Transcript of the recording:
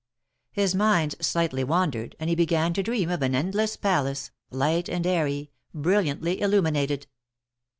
His mind slightly wandered and he began to dream of an endless palace, light and airy, brilliantly illuminated.